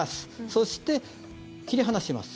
そして切り離します。